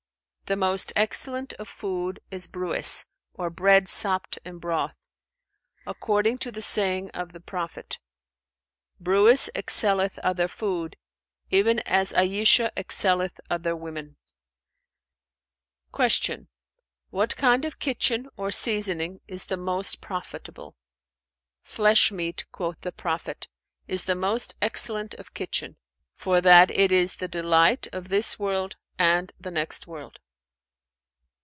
The most excellent of food is brewis[FN#404] or bread sopped in broth; according to the saying of the Prophet, 'Brewis excelleth other food, even as Ayishah excelleth other women.'" Q "What kind of kitchen, or seasoning, is most profitable?" "'Flesh meat' (quoth the Prophet) 'is the most excellent of kitchen; for that it is the delight of this world and the next world.'"